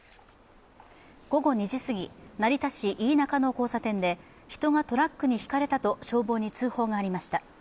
午後２時過ぎ、成田市飯仲の交差点で人がトラックにひかれたと消防に通報がありました。